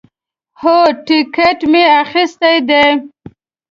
هو، ټیکټ می اخیستی دی